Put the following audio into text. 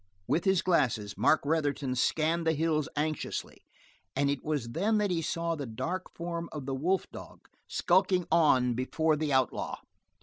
With his glasses Mark Retherton scanned the hills anxiously and it was then that he saw the dark form of the wolf dog skulking on before the outlaw.